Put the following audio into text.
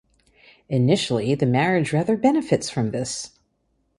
Initially the marriage rather benefits fron this.